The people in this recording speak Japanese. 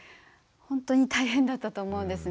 ほんとに大変だったと思うんですね。